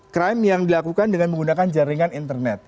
crime yang dilakukan dengan menggunakan jaringan internet